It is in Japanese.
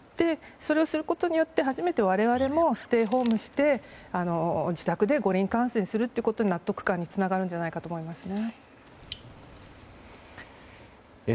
それをすることによって初めて我々もステイホームして自宅で五輪観戦することで納得感につながるんじゃないかなと思いますね。